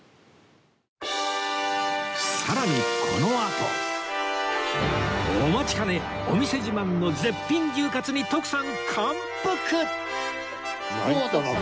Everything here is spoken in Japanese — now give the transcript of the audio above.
さらにこのあとお待ちかねお店自慢の絶品牛かつに徳さん感服！